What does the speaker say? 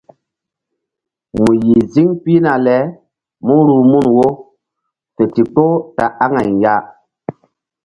Mu yih ziŋ pihna le mú ruh mun wo fe ndikpoh ta aŋay ya.